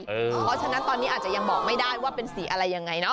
เพราะฉะนั้นตอนนี้อาจจะยังบอกไม่ได้ว่าเป็นสีอะไรยังไงเนาะ